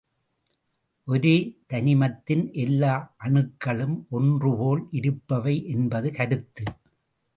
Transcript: ஒரே தனிமத்தின் எல்லா அணுக்களும் ஒன்றுபோல் இருப்பவை என்பது கருத்து.